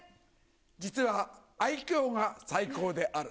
実は愛きょうが最高である。